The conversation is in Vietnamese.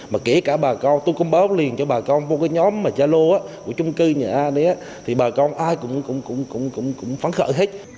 mà kể cả bà con tôi cũng báo liền cho bà con vô cái nhóm gia lô của trung cư nhà a đấy thì bà con ai cũng phán khởi hết